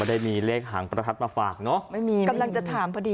มันได้มีเลขหางประทัดมาฝากเนาะ